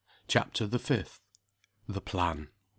CHAPTER THE FIFTH. THE PLAN.